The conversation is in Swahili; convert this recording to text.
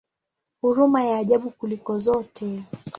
Huruma ya ajabu kuliko zote!